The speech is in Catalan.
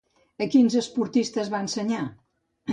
A quins esportistes va ensenyar?